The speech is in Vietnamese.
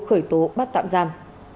khởi tố bắt tạm giam